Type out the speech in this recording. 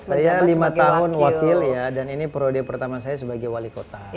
sebenarnya lima tahun wakil ya dan ini periode pertama saya sebagai walikota